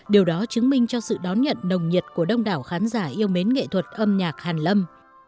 điều đó chứng minh cho sự đón nhận nồng nhiệt của đông đảo khán giả yêu mến nghệ thuật âm nhạc hàn lâm